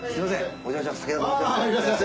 お邪魔します